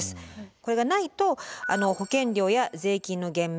これがないと保険料や税金の減免